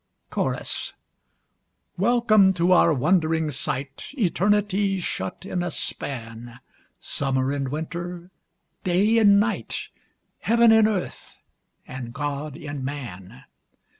Chorus. Welcome to our wond'ring sight Eternity shut in a span! Summer in winter! Day in night! Heaven in Earth! and God in Man!